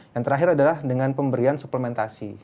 yang terakhir adalah dengan pemberian suplementasi